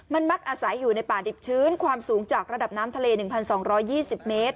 มันมักอาศัยอยู่ในป่าดิบชื้นความสูงจากระดับน้ำทะเล๑๒๒๐เมตร